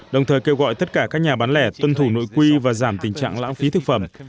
đồng thời kêu gọi tất cả các nhà bán lẻ tuân thủ nội quy và giảm tình trạng lãng phí thực phẩm